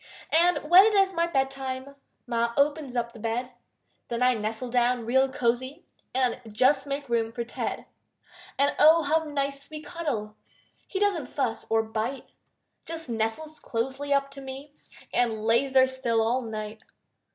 And when it is my bed time, Ma opens up the bed; Then I nestle down real cozy And just make room for Ted And oh, how nice we cuddle! He doesn't fuss or bite, Just nestles closely up to me And lays there still all night.